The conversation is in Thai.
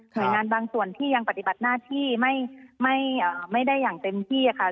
โดยงานบางส่วนที่ยังปฏิบัติหน้าที่ไม่ได้อย่างเต็มที่ค่ะ